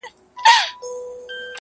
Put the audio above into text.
زما په مرگ دي خوشالي زاهدان هيڅ نکوي.